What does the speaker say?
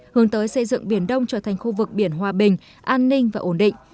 hướng tới xây dựng biển đông trở thành khu vực biển hòa bình an ninh và ổn định